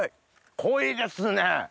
濃いですね。